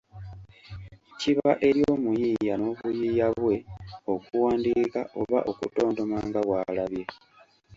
Kiba eri omuyiiya n’obuyiiya bwe okuwandiika oba okutontoma nga bw’alabye.